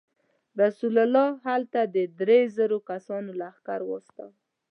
رسول الله هلته د درې زرو کسانو لښکر واستاوه.